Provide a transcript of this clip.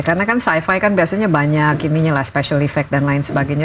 karena kan sci fi kan biasanya banyak ininya lah special effect dan lain sebagainya